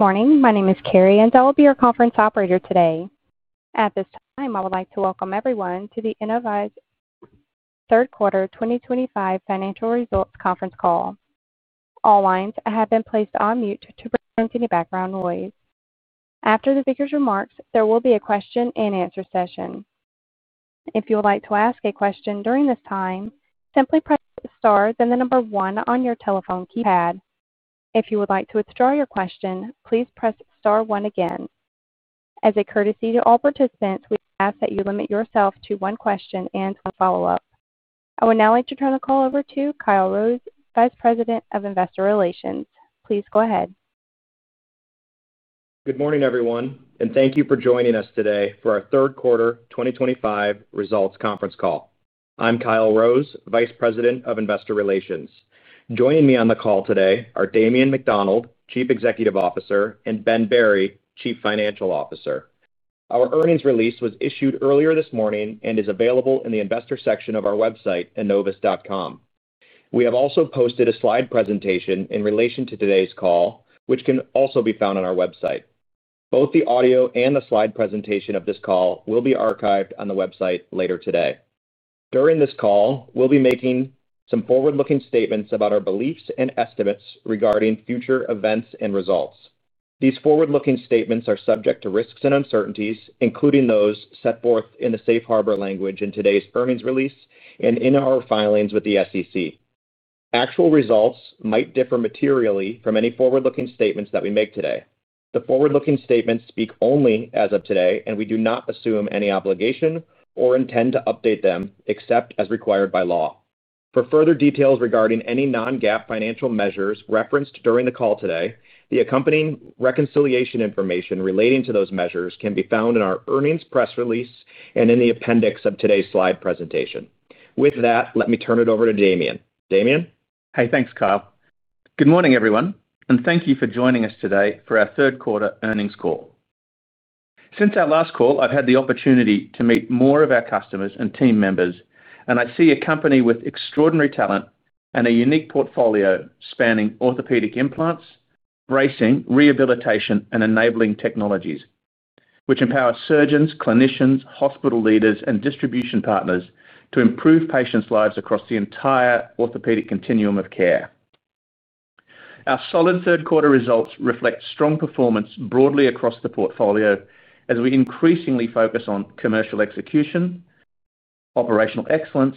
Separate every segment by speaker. Speaker 1: Morning. My name is Carrie, and I will be your conference operator today. At this time, I would like to welcome everyone to the Enovis Third Quarter 2025 Financial Results Conference Call. All lines have been placed on mute to prevent any background noise. After the speakers' remarks, there will be a question-and-answer session. If you would like to ask a question during this time, simply press star then the number one on your telephone keypad. If you would like to withdraw your question, please press star one again. As a courtesy to all participants, we ask that you limit yourself to one question and one follow-up. I would now like to turn the call over to Kyle Rose, Vice President of Investor Relations. Please go ahead.
Speaker 2: Good morning, everyone, and thank you for joining us today for our third quarter 2025 results conference call. I'm Kyle Rose, Vice President of Investor Relations. Joining me on the call today are Damien McDonald, Chief Executive Officer, and Ben Berry, Chief Financial Officer. Our earnings release was issued earlier this morning and is available in the Investor section of our website at enovis.com. We have also posted a slide presentation in relation to today's call, which can also be found on our website. Both the audio and the slide presentation of this call will be archived on the website later today. During this call, we'll be making some forward-looking statements about our beliefs and estimates regarding future events and results. These forward-looking statements are subject to risks and uncertainties, including those set forth in the safe harbor language in today's earnings release and in our filings with the SEC. Actual results might differ materially from any forward-looking statements that we make today. The forward-looking statements speak only as of today, and we do not assume any obligation or intend to update them except as required by law. For further details regarding any non-GAAP financial measures referenced during the call today, the accompanying reconciliation information relating to those measures can be found in our earnings press release and in the appendix of today's slide presentation. With that, let me turn it over to Damien. Damien?
Speaker 3: Hey, thanks, Kyle. Good morning, everyone, and thank you for joining us today for our third quarter earnings call. Since our last call, I've had the opportunity to meet more of our customers and team members, and I see a company with extraordinary talent and a unique portfolio spanning orthopedic implants, bracing, rehabilitation, and enabling technologies, which empower surgeons, clinicians, hospital leaders, and distribution partners to improve patients' lives across the entire orthopedic continuum of care. Our solid third quarter results reflect strong performance broadly across the portfolio as we increasingly focus on commercial execution, operational excellence,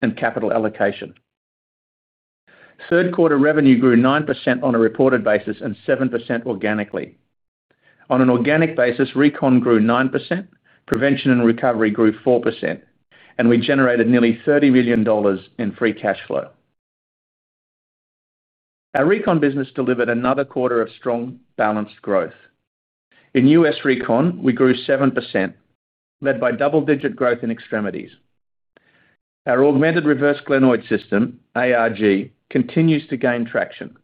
Speaker 3: and capital allocation. Third quarter revenue grew 9% on a reported basis and 7% organically. On an organic basis, Recon grew 9%, Prevention and Recovery grew 4%, and we generated nearly $30 million in free cash flow. Our Recon business delivered another quarter of strong, balanced growth. In U.S. Recon, we grew 7%. Led by double-digit growth in extremities. Our augmented reverse glenoid system, ARG, continues to gain traction.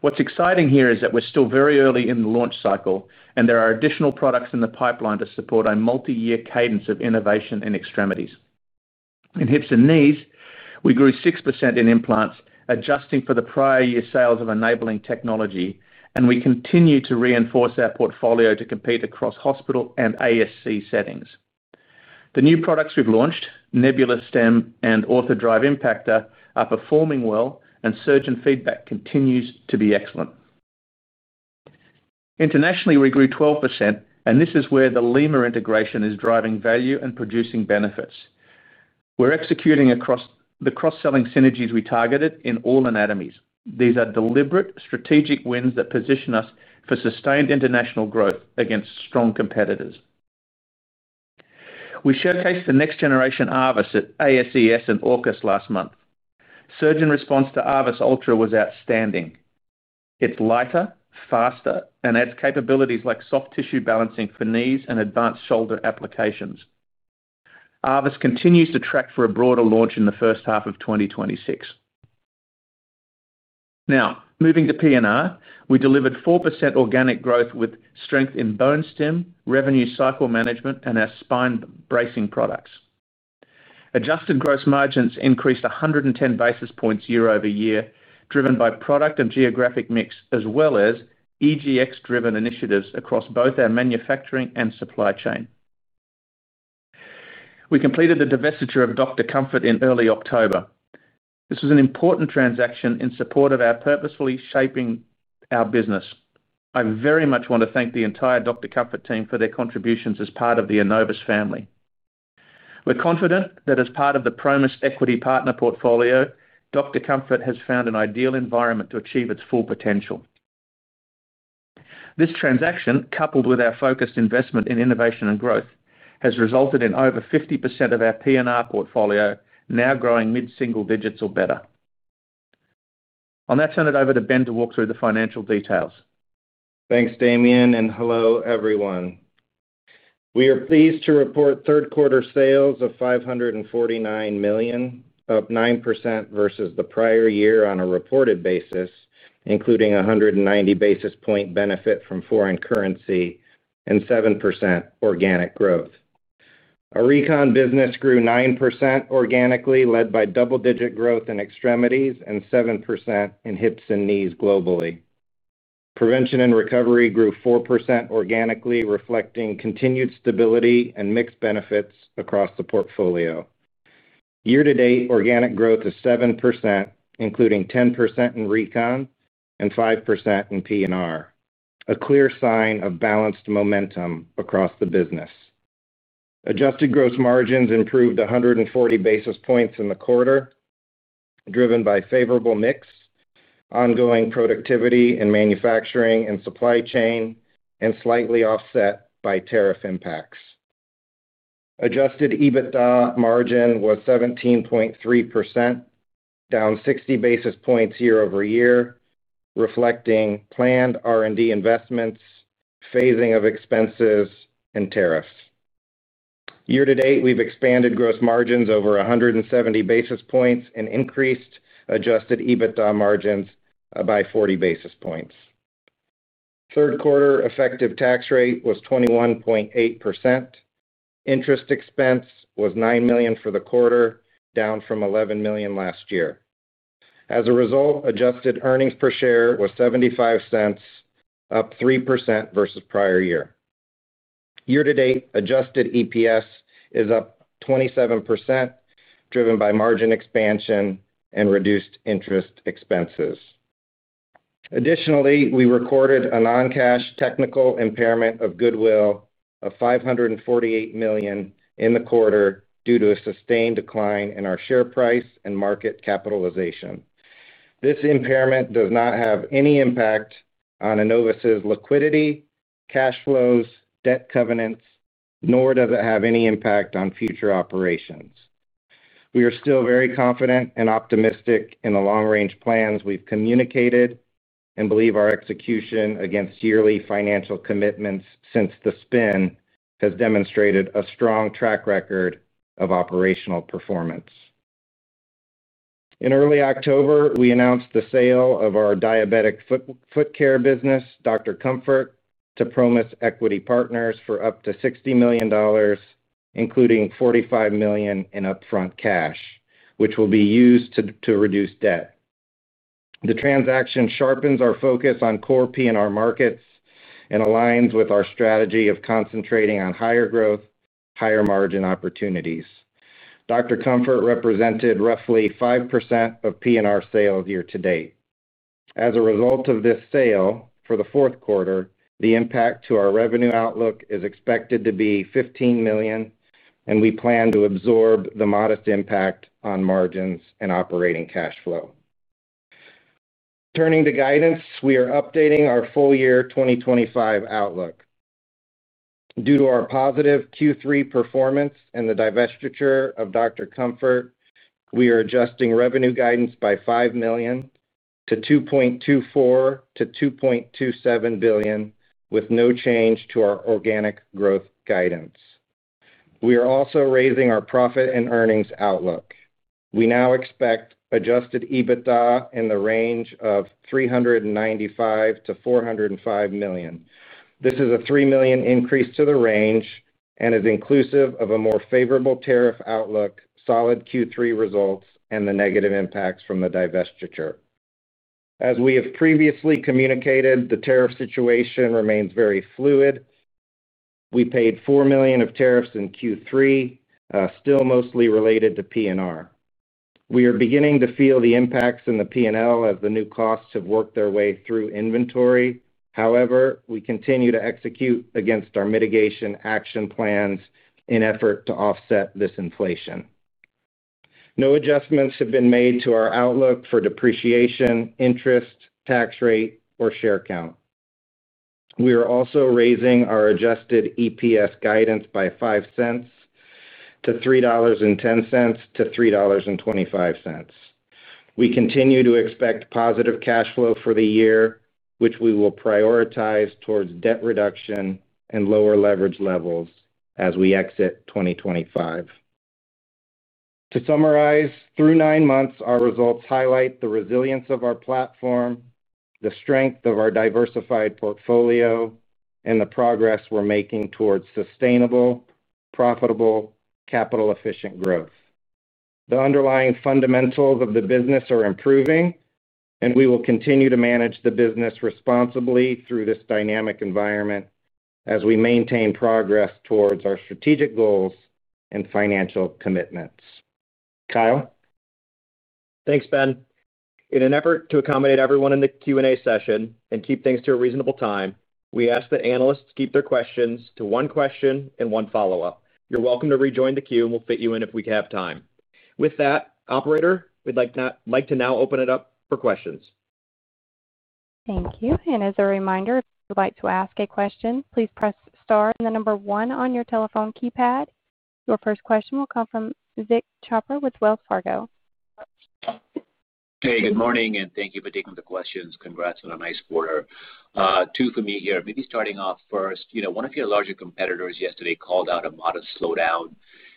Speaker 3: What's exciting here is that we're still very early in the launch cycle, and there are additional products in the pipeline to support a multi-year cadence of innovation in extremities. In hips and knees, we grew 6% in implants, adjusting for the prior year sales of enabling technology, and we continue to reinforce our portfolio to compete across hospital and ASC settings. The new products we've launched, Nebula Stem and OrthoDrive Impactor, are performing well, and surgeon feedback continues to be excellent. Internationally, we grew 12%, and this is where the Lima integration is driving value and producing benefits. We're executing across the cross-selling synergies we targeted in all anatomies. These are deliberate, strategic wins that position us for sustained international growth against strong competitors. We showcased the next-generation ARVIS at ASES and Orkus last month. Surgeon response to ARVIS Ultra was outstanding. It's lighter, faster, and adds capabilities like soft tissue balancing for knees and advanced shoulder applications. ARVIS continues to track for a broader launch in the first half of 2026. Now, moving to P&R, we delivered 4% organic growth with strength in bone stem, revenue cycle management, and our spine bracing products. Adjusted gross margins increased 110 basis points year over year, driven by product and geographic mix, as well as EGX-driven initiatives across both our manufacturing and supply chain. We completed the divestiture of Dr. Comfort in early October. This was an important transaction in support of our purposefully shaping our business. I very much want to thank the entire Dr. Comfort team for their contributions as part of the Enovis family. We're confident that as part of the Promise Equity Partners portfolio, Dr. Comfort has found an ideal environment to achieve its full potential. This transaction, coupled with our focused investment in innovation and growth, has resulted in over 50% of our P&R portfolio now growing mid-single digits or better. I'll now turn it over to Ben to walk through the financial details.
Speaker 4: Thanks, Damien, and hello, everyone. We are pleased to report third quarter sales of $549 million, up 9% versus the prior year on a reported basis, including a 190 basis point benefit from foreign currency and 7% organic growth. Our Recon business grew 9% organically, led by double-digit growth in extremities and 7% in hips and knees globally. Prevention and Recovery grew 4% organically, reflecting continued stability and mixed benefits across the portfolio. Year-to-date organic growth is 7%, including 10% in Recon and 5% in P&R, a clear sign of balanced momentum across the business. Adjusted gross margins improved 140 basis points in the quarter. Driven by favorable mix, ongoing productivity in manufacturing and supply chain, and slightly offset by tariff impacts. Adjusted EBITDA margin was 17.3%. Down 60 basis points year over year, reflecting planned R&D investments, phasing of expenses, and tariffs. Year-to-date, we've expanded gross margins over 170 basis points and increased adjusted EBITDA margins by 40 basis points. Third quarter effective tax rate was 21.8%. Interest expense was $9 million for the quarter, down from $11 million last year. As a result, adjusted earnings per share was $0.75, up 3% versus prior year. Year-to-date, adjusted EPS is up 27%, driven by margin expansion and reduced interest expenses. Additionally, we recorded a non-cash technical impairment of goodwill of $548 million in the quarter due to a sustained decline in our share price and market capitalization. This impairment does not have any impact on Enovis's liquidity, cash flows, debt covenants, nor does it have any impact on future operations. We are still very confident and optimistic in the long-range plans we've communicated and believe our execution against yearly financial commitments since the spin has demonstrated a strong track record of operational performance. In early October, we announced the sale of our diabetic foot care business, Dr. Comfort, to Promise Equity Partners for up to $60 million, including $45 million in upfront cash, which will be used to reduce debt. The transaction sharpens our focus on core P&R markets and aligns with our strategy of concentrating on higher growth, higher margin opportunities. Dr. Comfort represented roughly 5% of P&R sales year-to-date. As a result of this sale for the fourth quarter, the impact to our revenue outlook is expected to be $15 million, and we plan to absorb the modest impact on margins and operating cash flow. Turning to guidance, we are updating our full year 2025 outlook. Due to our positive Q3 performance and the divestiture of Dr. Comfort, we are adjusting revenue guidance by $5 million to $2.24 billion-$2.27 billion, with no change to our organic growth guidance. We are also raising our profit and earnings outlook. We now expect adjusted EBITDA in the range of $395 million-$405 million. This is a $3 million increase to the range and is inclusive of a more favorable tariff outlook, solid Q3 results, and the negative impacts from the divestiture. As we have previously communicated, the tariff situation remains very fluid. We paid $4 million of tariffs in Q3, still mostly related to P&R. We are beginning to feel the impacts in the P&L as the new costs have worked their way through inventory. However, we continue to execute against our mitigation action plans in effort to offset this inflation. No adjustments have been made to our outlook for depreciation, interest, tax rate, or share count. We are also raising our adjusted EPS guidance by $0.05 to $3.10-$3.25. We continue to expect positive cash flow for the year, which we will prioritize towards debt reduction and lower leverage levels as we exit 2025. To summarize, through nine months, our results highlight the resilience of our platform, the strength of our diversified portfolio, and the progress we're making towards sustainable, profitable, capital-efficient growth. The underlying fundamentals of the business are improving, and we will continue to manage the business responsibly through this dynamic environment as we maintain progress towards our strategic goals and financial commitments. Kyle?
Speaker 2: Thanks, Ben. In an effort to accommodate everyone in the Q&A session and keep things to a reasonable time, we ask that analysts keep their questions to one question and one follow-up. You're welcome to rejoin the queue, and we'll fit you in if we have time. With that, operator, we'd like to now open it up for questions.
Speaker 1: Thank you. As a reminder, if you'd like to ask a question, please press star and the number one on your telephone keypad. Your first question will come from Vik Chopra with Wells Fargo.
Speaker 5: Hey, good morning, and thank you for taking the questions. Congrats on a nice quarter. Two for me here. Maybe starting off first, one of your larger competitors yesterday called out a modest slowdown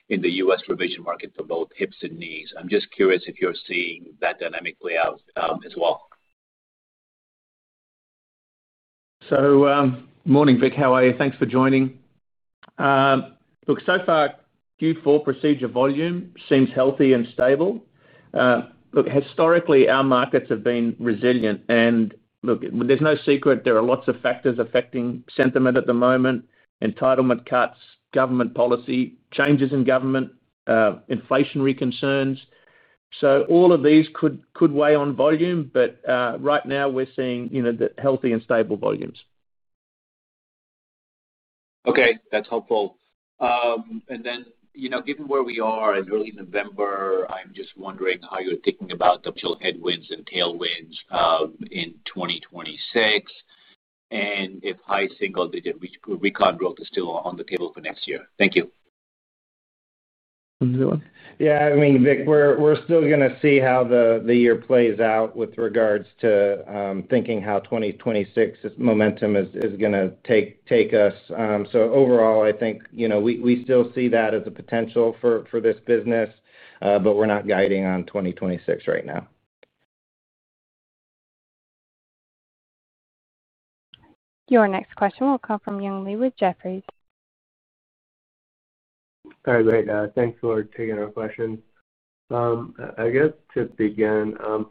Speaker 5: in the U.S. provision market for both hips and knees. I'm just curious if you're seeing that dynamic play out as well.
Speaker 3: Good morning, Vic. How are you? Thanks for joining. Look, so far, Q4 procedure volume seems healthy and stable. Look, historically, our markets have been resilient. And look, there's no secret there are lots of factors affecting sentiment at the moment: entitlement cuts, government policy, changes in government. Inflationary concerns. So all of these could weigh on volume, but right now, we're seeing healthy and stable volumes.
Speaker 5: Okay, that's helpful. Given where we are in early November, I'm just wondering how you're thinking about the actual headwinds and tailwinds in 2026. If high single-digit Recon growth is still on the table for next year. Thank you.
Speaker 3: Yeah, I mean, Vic, we're still going to see how the year plays out with regards to thinking how 2026 momentum is going to take us. Overall, I think we still see that as a potential for this business. We're not guiding on 2026 right now.
Speaker 1: Your next question will come from Young Li with Jefferies.
Speaker 6: All right, great. Thanks for taking our questions. I guess to begin, I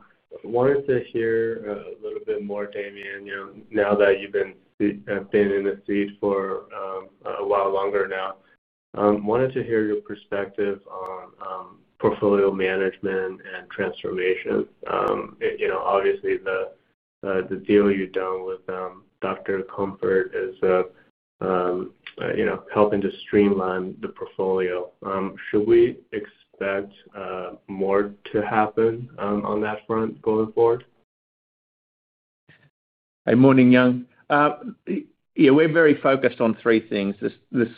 Speaker 6: wanted to hear a little bit more, Damien, now that you've been in the seat for a while longer now. I wanted to hear your perspective on portfolio management and transformation. Obviously, the deal you've done with Dr. Comfort is helping to streamline the portfolio. Should we expect more to happen on that front going forward?
Speaker 3: Good morning, Young. Yeah, we're very focused on three things: this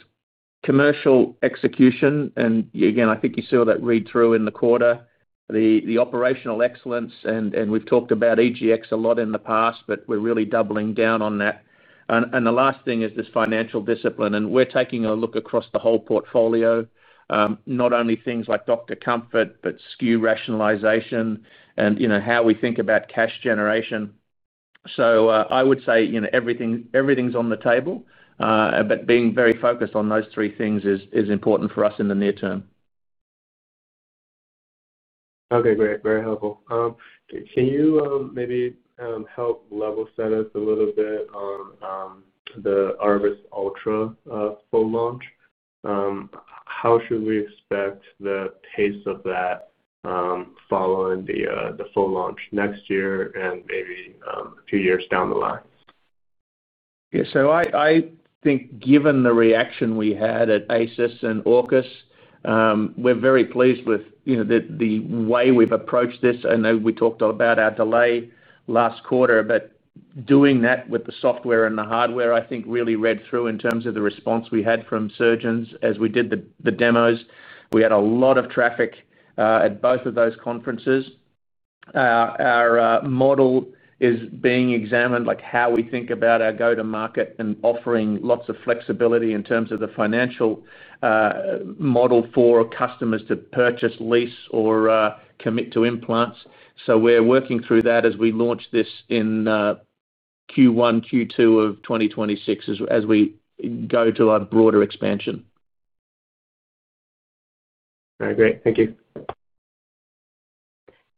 Speaker 3: commercial execution, and again, I think you saw that read-through in the quarter, the operational excellence, and we've talked about EGX a lot in the past, but we're really doubling down on that. The last thing is this financial discipline, and we're taking a look across the whole portfolio, not only things like Dr. Comfort, but SKU rationalization and how we think about cash generation. I would say everything's on the table, but being very focused on those three things is important for us in the near term.
Speaker 6: Okay, great. Very helpful. Can you maybe help level set us a little bit on the ARVIS Ultra full launch? How should we expect the pace of that? Following the full launch next year and maybe a few years down the line?
Speaker 3: Yeah, so I think given the reaction we had at ASES and Orkus, we're very pleased with the way we've approached this. I know we talked about our delay last quarter, but doing that with the software and the hardware, I think really read through in terms of the response we had from surgeons as we did the demos. We had a lot of traffic at both of those conferences. Our model is being examined, like how we think about our go-to-market and offering lots of flexibility in terms of the financial model for customers to purchase, lease, or commit to implants. We're working through that as we launch this in Q1, Q2 of 2026 as we go to our broader expansion.
Speaker 6: All right, great. Thank you.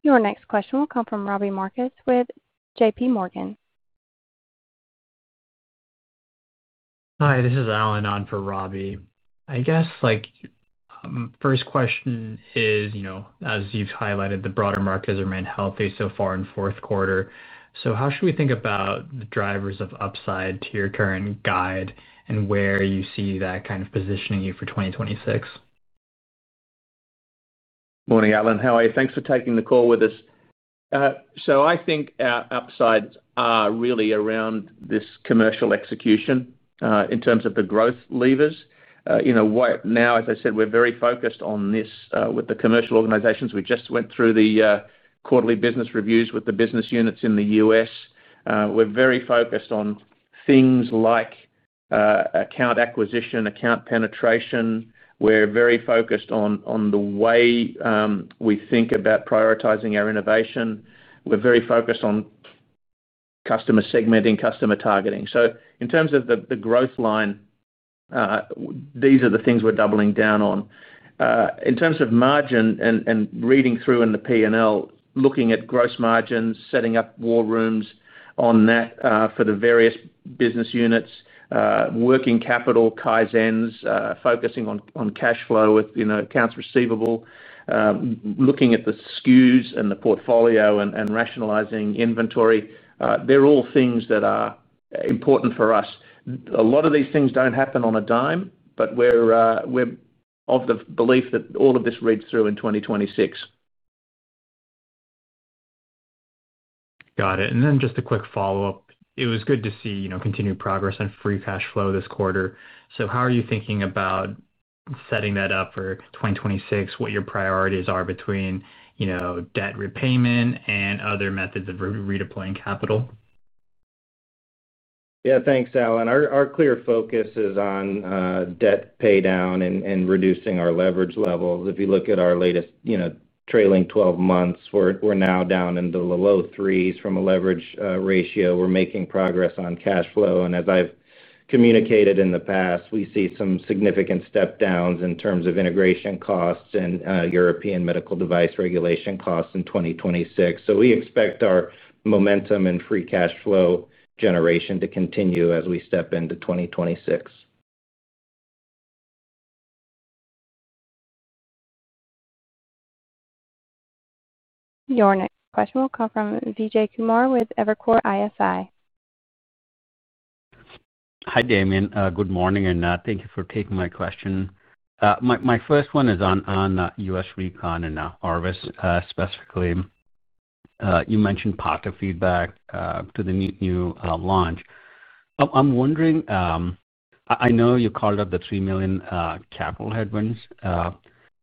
Speaker 1: Your next question will come from Robbie Marcus with JPMorgan. Hi, this is Allen on for Robbie. I guess. First question is, as you've highlighted, the broader markets remain healthy so far in fourth quarter. How should we think about the drivers of upside to your current guide and where you see that kind of positioning you for 2026?
Speaker 3: Morning, Allen. How are you? Thanks for taking the call with us. I think our upsides are really around this commercial execution in terms of the growth levers. Now, as I said, we're very focused on this with the commercial organizations. We just went through the quarterly business reviews with the business units in the U.S.. We're very focused on things like account acquisition, account penetration. We're very focused on the way we think about prioritizing our innovation. We're very focused on customer segmenting, customer targeting. In terms of the growth line, these are the things we're doubling down on. In terms of margin and reading through in the P&L, looking at gross margins, setting up war rooms on that for the various business units, working capital, Kaizens, focusing on cash flow with accounts receivable. Looking at the SKUs and the portfolio and rationalizing inventory. They're all things that are important for us. A lot of these things don't happen on a dime, but we're of the belief that all of this reads through in 2026. Got it. And then just a quick follow-up. It was good to see continued progress on free cash flow this quarter. How are you thinking about setting that up for 2026, what your priorities are between debt repayment and other methods of redeploying capital?
Speaker 4: Yeah, thanks, Allen. Our clear focus is on debt paydown and reducing our leverage levels. If you look at our latest trailing 12 months, we're now down into the low threes from a leverage ratio. We're making progress on cash flow. As I've communicated in the past, we see some significant step-downs in terms of integration costs and European medical device regulation costs in 2026. We expect our momentum and free cash flow generation to continue as we step into 2026.
Speaker 1: Your next question will come from Vijay Kumar with Evercore ISI.
Speaker 7: Hi, Damien. Good morning, and thank you for taking my question. My first one is on U.S. Recon and ARVIS specifically. You mentioned positive feedback to the new launch. I'm wondering. I know you called out the $3 million capital headwinds.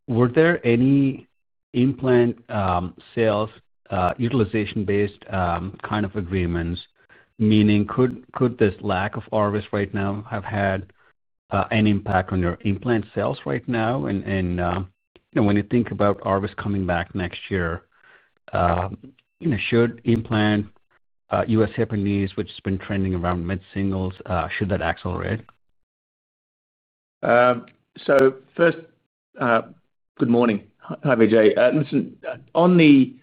Speaker 7: Were there any implant sales, utilization-based kind of agreements? Meaning, could this lack of ARVIS right now have had an impact on your implant sales right now? When you think about ARVIS coming back next year, should implant U.S. hip and knees, which has been trending around mid-singles, should that accelerate?
Speaker 3: First, good morning. Hi, Vijay. Listen, on the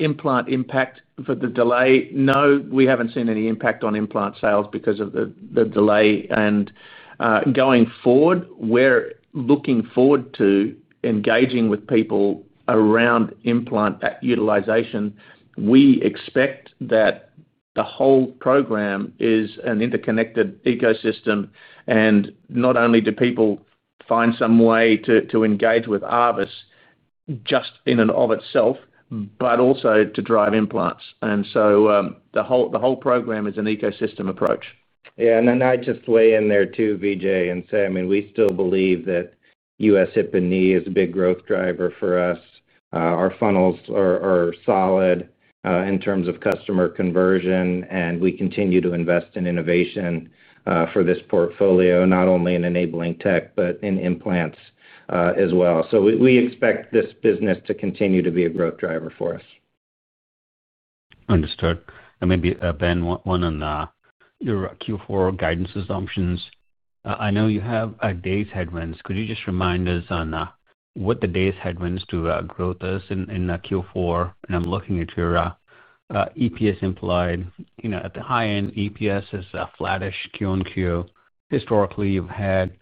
Speaker 3: implant impact for the delay, no, we haven't seen any impact on implant sales because of the delay. Going forward, we're looking forward to engaging with people around implant utilization. We expect that the whole program is an interconnected ecosystem. Not only do people find some way to engage with ARVIS just in and of itself, but also to drive implants. The whole program is an ecosystem approach.
Speaker 4: Yeah, and I'd just weigh in there too, Vijay, and say, I mean, we still believe that U.S. hip and knee is a big growth driver for us. Our funnels are solid in terms of customer conversion, and we continue to invest in innovation for this portfolio, not only in enabling tech, but in implants as well. We expect this business to continue to be a growth driver for us.
Speaker 7: Understood. Maybe, Ben, one on your Q4 guidance assumptions. I know you have days headwinds. Could you just remind us on what the days headwinds to growth is in Q4? I'm looking at your EPS implied. At the high end, EPS is flat-ish Q-on-Q. Historically, you've had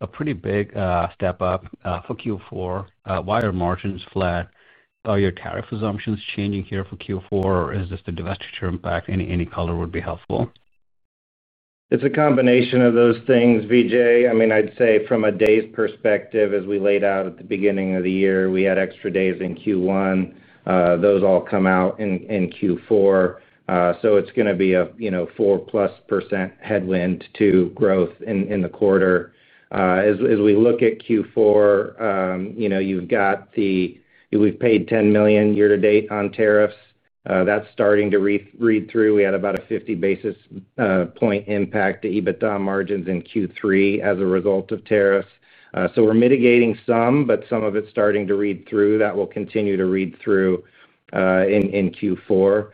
Speaker 7: a pretty big step-up for Q4. Why are margins flat? Are your tariff assumptions changing here for Q4, or is this the divestiture impact? Any color would be helpful.
Speaker 4: It's a combination of those things, Vijay. I mean, I'd say from a days perspective, as we laid out at the beginning of the year, we had extra days in Q1. Those all come out in Q4. It's going to be a +4% headwind to growth in the quarter. As we look at Q4, you've got the. We've paid $10 million year-to-date on tariffs. That's starting to read through. We had about a 50 basis point impact to EBITDA margins in Q3 as a result of tariffs. We're mitigating some, but some of it's starting to read through. That will continue to read through in Q4.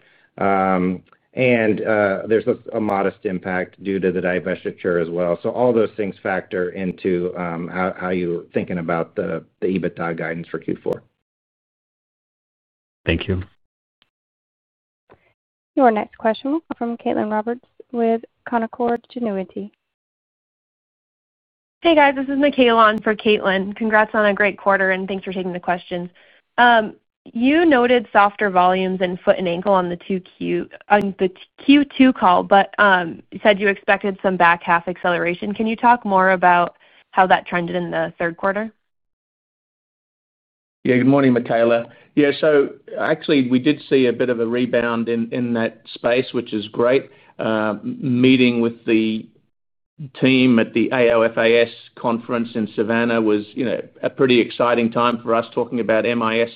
Speaker 4: There's a modest impact due to the divestiture as well. All those things factor into how you're thinking about the EBITDA guidance for Q4.
Speaker 7: Thank you.
Speaker 1: Your next question will come from Caitlin Cronin with Canaccord Genuity. Hey, guys. This is Mikaela for Caitlin. Congrats on a great quarter, and thanks for taking the questions. You noted softer volumes in foot and ankle on the Q2 call, but you said you expected some back half acceleration. Can you talk more about how that trended in the third quarter?
Speaker 3: Yeah, good morning, Mikaela. Yeah, so actually, we did see a bit of a rebound in that space, which is great. Meeting with the team at the AOFAS conference in Savannah was a pretty exciting time for us talking about MIS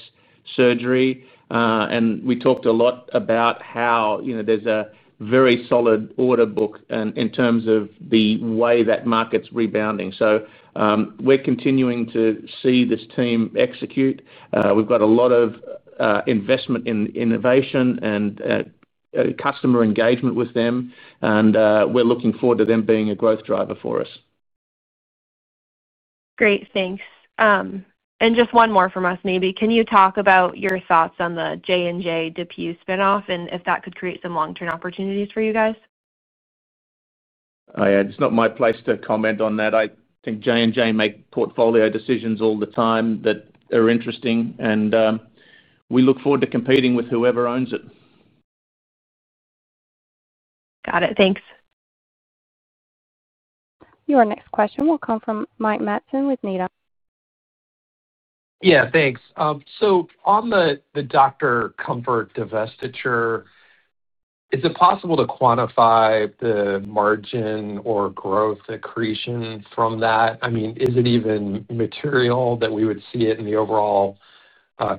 Speaker 3: surgery. We talked a lot about how there's a very solid order book in terms of the way that market's rebounding. We're continuing to see this team execute. We've got a lot of investment in innovation and customer engagement with them. We're looking forward to them being a growth driver for us. Great, thanks. Just one more from us, maybe. Can you talk about your thoughts on the J&J-DePuy spinoff and if that could create some long-term opportunities for you guys? It's not my place to comment on that. I think J&J make portfolio decisions all the time that are interesting. We look forward to competing with whoever owns it. Got it. Thanks.
Speaker 1: Your next question will come from Mike Matson with Needham.
Speaker 8: Yeah, thanks. On the Dr. Comfort divestiture, is it possible to quantify the margin or growth accretion from that? I mean, is it even material that we would see it in the overall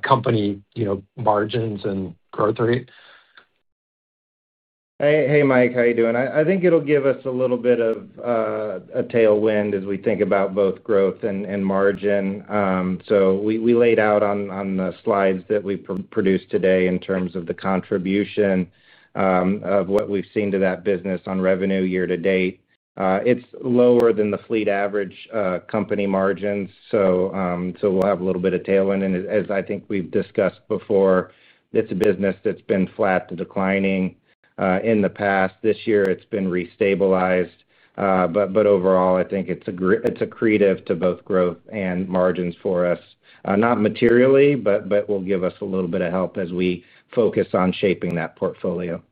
Speaker 8: company margins and growth rate?
Speaker 4: Hey, Mike, how are you doing? I think it'll give us a little bit of a tailwind as we think about both growth and margin. We laid out on the slides that we produced today in terms of the contribution of what we've seen to that business on revenue year-to-date. It's lower than the fleet average company margins. We'll have a little bit of tailwind. As I think we've discussed before, it's a business that's been flat to declining in the past. This year, it's been restabilized. Overall, I think it's accretive to both growth and margins for us. Not materially, but will give us a little bit of help as we focus on shaping that portfolio.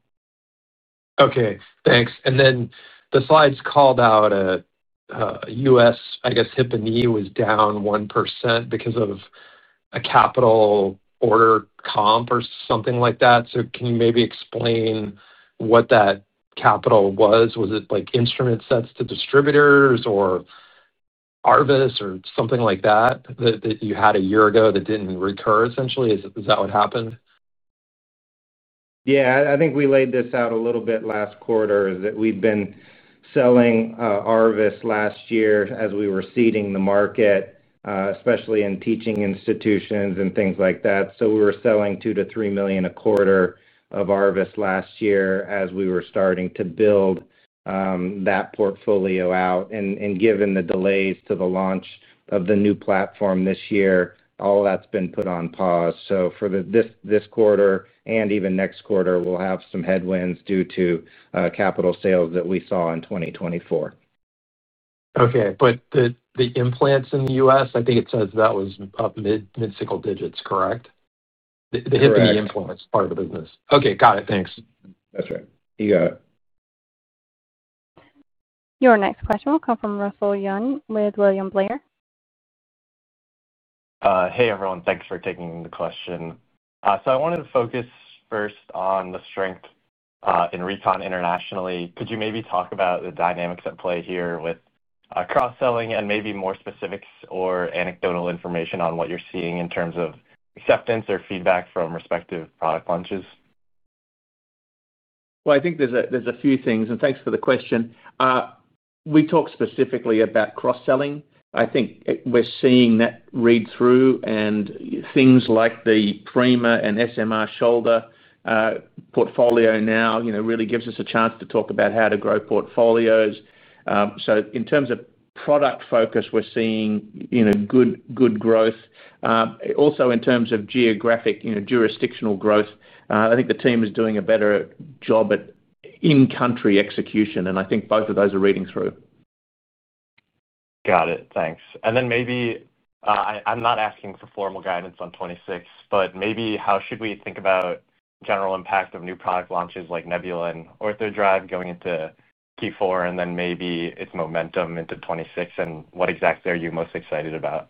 Speaker 8: Okay, thanks. The slides called out U.S., I guess, hip and knee was down 1% because of a capital order comp or something like that. Can you maybe explain what that capital was? Was it instrument sets to distributors or ARVIS or something like that that you had a year ago that did not recur, essentially? Is that what happened?
Speaker 4: Yeah, I think we laid this out a little bit last quarter is that we've been selling ARVIS last year as we were seeding the market. Especially in teaching institutions and things like that. We were selling $2 million-$3 million a quarter of ARVIS last year as we were starting to build that portfolio out. Given the delays to the launch of the new platform this year, all that's been put on pause. For this quarter and even next quarter, we'll have some headwinds due to capital sales that we saw in 2024.
Speaker 8: Okay. The implants in the U.S., I think it says that was up mid-single digits, correct? The hip and knee implants part of the business. Okay, got it. Thanks.
Speaker 4: That's right. You got it.
Speaker 1: Your next question will come from Russell Yuen with William Blair.
Speaker 9: Hey, everyone. Thanks for taking the question. I wanted to focus first on the strength in Recon internationally. Could you maybe talk about the dynamics at play here with cross-selling and maybe more specifics or anecdotal information on what you're seeing in terms of acceptance or feedback from respective product launches?
Speaker 3: I think there's a few things. Thanks for the question. We talked specifically about cross-selling. I think we're seeing that read through. Things like the PRIMA and SMR shoulder portfolio now really give us a chance to talk about how to grow portfolios. In terms of product focus, we're seeing good growth. Also in terms of geographic jurisdictional growth, I think the team is doing a better job. In-country execution. I think both of those are reading through.
Speaker 9: Got it. Thanks. Maybe I'm not asking for formal guidance on 2026, but maybe how should we think about general impact of new product launches like Nebula and OrthoDrive going into Q4 and then maybe its momentum into 2026 and what exactly are you most excited about?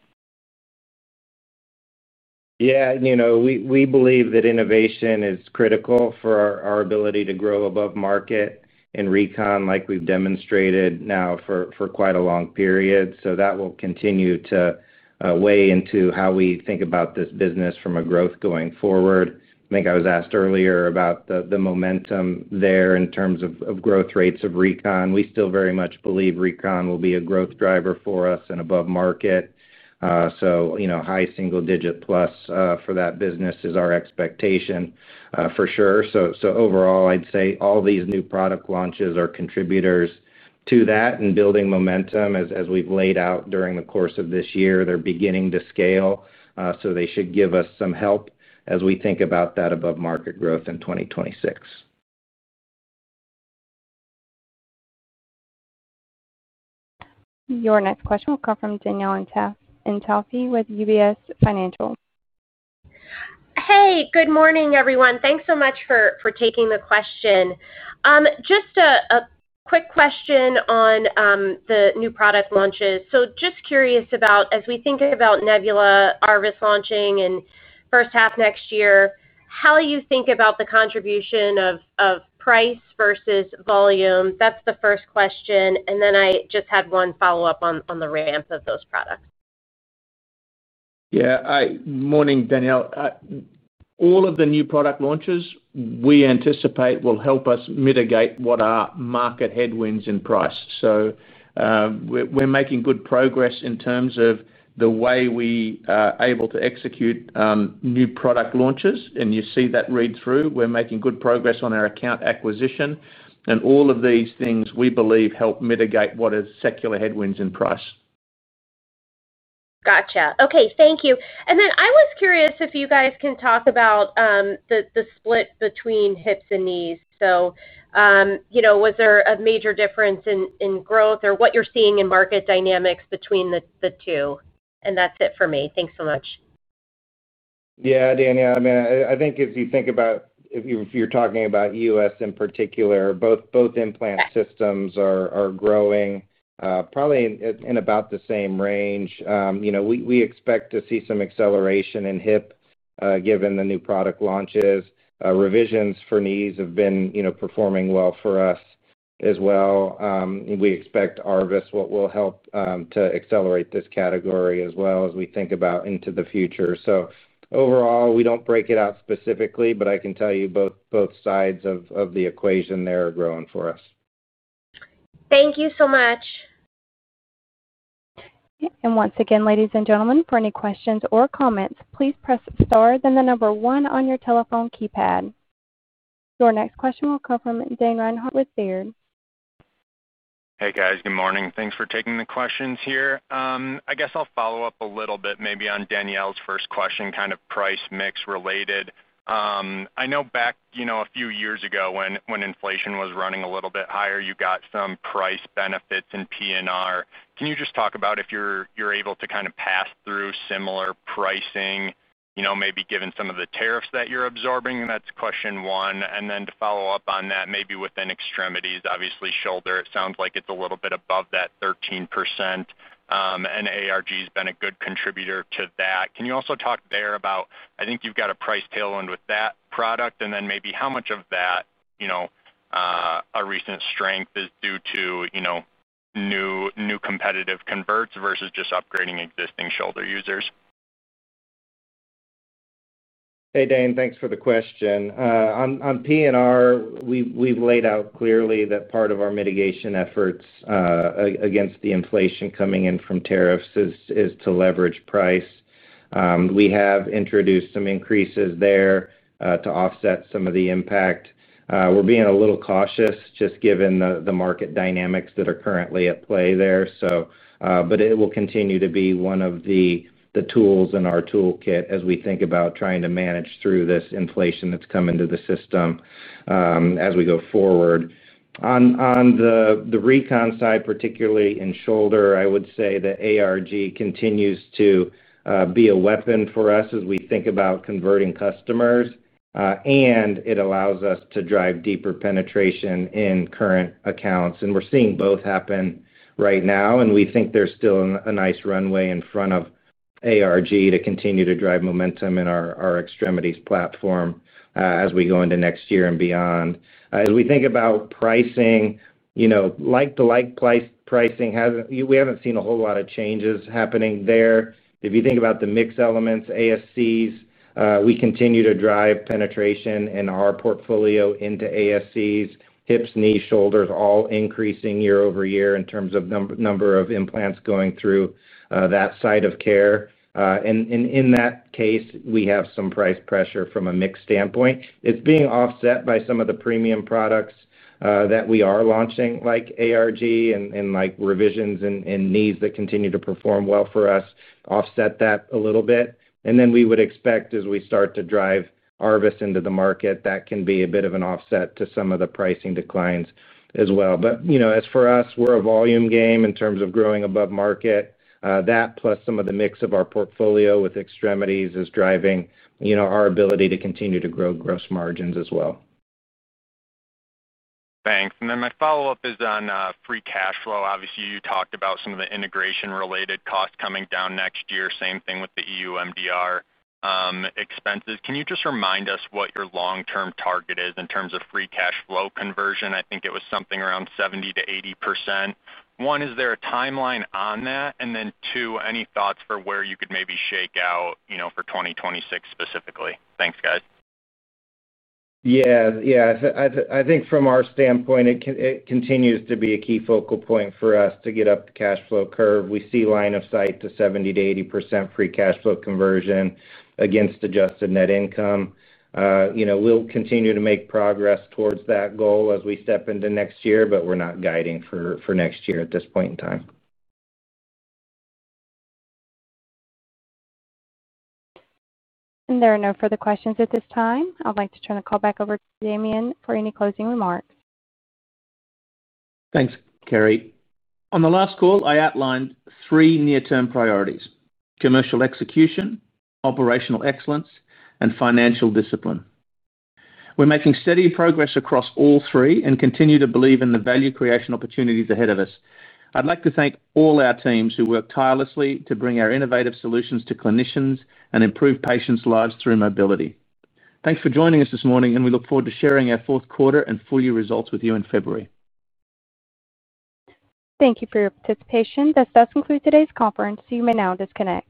Speaker 4: Yeah. We believe that innovation is critical for our ability to grow above market in Recon like we've demonstrated now for quite a long period. That will continue to weigh into how we think about this business from a growth going forward. I think I was asked earlier about the momentum there in terms of growth rates of Recon. We still very much believe Recon will be a growth driver for us and above market. High single-digit plus for that business is our expectation for sure. Overall, I'd say all these new product launches are contributors to that and building momentum as we've laid out during the course of this year. They're beginning to scale. They should give us some help as we think about that above market growth in 2026.
Speaker 1: Your next question will come from Danielle Antalffy with UBS Financial.
Speaker 10: Hey, good morning, everyone. Thanks so much for taking the question. Just a quick question on the new product launches. Just curious about, as we think about Nebula, ARVIS launching in first half next year, how you think about the contribution of price versus volume. That's the first question. I just had one follow-up on the ramp of those products.
Speaker 3: Yeah. Morning, Danielle. All of the new product launches we anticipate will help us mitigate what are market headwinds in price. We're making good progress in terms of the way we are able to execute new product launches. You see that read through. We're making good progress on our account acquisition. All of these things we believe help mitigate what are secular headwinds in price.
Speaker 10: Got it. Okay. Thank you. I was curious if you guys can talk about the split between hips and knees. Was there a major difference in growth or what you're seeing in market dynamics between the two? That's it for me. Thanks so much.
Speaker 4: Yeah, Danielle. I mean, I think if you think about, if you're talking about U.S. in particular, both implant systems are growing probably in about the same range. We expect to see some acceleration in hip given the new product launches. Revisions for knees have been performing well for us as well. We expect ARVIS, what will help to accelerate this category as well as we think about into the future. Overall, we don't break it out specifically, but I can tell you both sides of the equation there are growing for us.
Speaker 10: Thank you so much.
Speaker 1: Once again, ladies and gentlemen, for any questions or comments, please press star then the number one on your telephone keypad. Your next question will come from Dane Reinhardt with Baird.
Speaker 11: Hey, guys. Good morning. Thanks for taking the questions here. I guess I'll follow up a little bit maybe on Danielle's first question, kind of price mix related. I know back a few years ago when inflation was running a little bit higher, you got some price benefits in P&R. Can you just talk about if you're able to kind of pass through similar pricing, maybe given some of the tariffs that you're absorbing? That's question one. To follow up on that, maybe within extremities, obviously shoulder, it sounds like it's a little bit above that 13%. ARG has been a good contributor to that. Can you also talk there about, I think you've got a price tailwind with that product? Maybe how much of that recent strength is due to new competitive converts versus just upgrading existing shoulder users?
Speaker 4: Hey, Dane, thanks for the question. On P&R, we've laid out clearly that part of our mitigation efforts against the inflation coming in from tariffs is to leverage price. We have introduced some increases there to offset some of the impact. We're being a little cautious just given the market dynamics that are currently at play there. It will continue to be one of the tools in our toolkit as we think about trying to manage through this inflation that's come into the system as we go forward. On the Recon side, particularly in shoulder, I would say that ARG continues to be a weapon for us as we think about converting customers. It allows us to drive deeper penetration in current accounts. We're seeing both happen right now. We think there's still a nice runway in front of us. ARG to continue to drive momentum in our extremities platform as we go into next year and beyond. As we think about pricing, like-to-like pricing, we have not seen a whole lot of changes happening there. If you think about the mix elements, ASCs, we continue to drive penetration in our portfolio into ASCs, hips, knees, shoulders, all increasing year over year in terms of number of implants going through that side of care. In that case, we have some price pressure from a mix standpoint. It is being offset by some of the premium products that we are launching like ARG and revisions and knees that continue to perform well for us, offset that a little bit. We would expect as we start to drive ARVIS into the market, that can be a bit of an offset to some of the pricing declines as well. As for us, we're a volume game in terms of growing above market. That plus some of the mix of our portfolio with extremities is driving our ability to continue to grow gross margins as well.
Speaker 11: Thanks. Then my follow-up is on free cash flow. Obviously, you talked about some of the integration-related costs coming down next year, same thing with the EU MDR expenses. Can you just remind us what your long-term target is in terms of free cash flow conversion? I think it was something around 70%-80%. One, is there a timeline on that? Then two, any thoughts for where you could maybe shake out for 2026 specifically? Thanks, guys.
Speaker 4: Yeah. Yeah. I think from our standpoint, it continues to be a key focal point for us to get up the cash flow curve. We see line of sight to 70%-80% free cash flow conversion against adjusted net income. We'll continue to make progress towards that goal as we step into next year, but we're not guiding for next year at this point in time.
Speaker 1: There are no further questions at this time. I'd like to turn the call back over to Damien for any closing remarks.
Speaker 3: Thanks, Kerry. On the last call, I outlined three near-term priorities: commercial execution, operational excellence, and financial discipline. We're making steady progress across all three and continue to believe in the value creation opportunities ahead of us. I'd like to thank all our teams who work tirelessly to bring our innovative solutions to clinicians and improve patients' lives through mobility. Thanks for joining us this morning, and we look forward to sharing our fourth quarter and full-year results with you in February.
Speaker 1: Thank you for your participation. This does conclude today's conference. You may now disconnect.